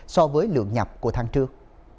so với lượng nhập của tháng trước